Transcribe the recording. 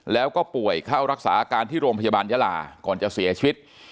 แล้วก็ป่วยเข้ารักษาอาการที่โรงพยาบาลยาลาก่อนจะเสียชีวิต